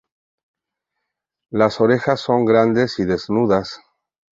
Las orejas son grandes y desnudas.